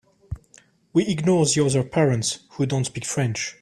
We ignore the other parents who don’t speak French.